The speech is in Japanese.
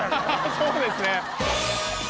そうですね。